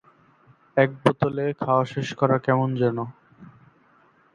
এক বোতলে খাওয়া শেষ করা কেমন যেন।